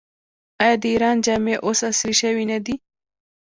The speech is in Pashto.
آیا د ایران جامې اوس عصري شوې نه دي؟